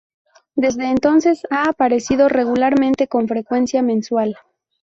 Desde entonces ha aparecido regularmente con frecuencia mensual.